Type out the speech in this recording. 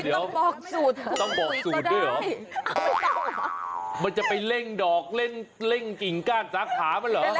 ต้องบอกสูตรเหรอมันจะไปเล่นดอกเล่นกลิ่งกล้านซักขาบ้างเหรอ